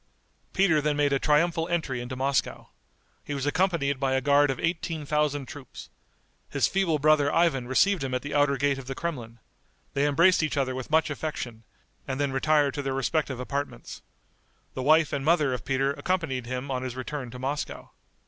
Peter then made a triumphal entry into Moscow. He was accompanied by a guard of eighteen thousand troops. His feeble brother Ivan received him at the outer gate of the Kremlin. They embraced each other with much affection, and then retired to their respective apartments. The wife and mother of Peter accompanied him on his return to Moscow.